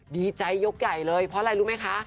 ดีใจยกใหญ่เลยเพราะอะไรรู้ไหมคะ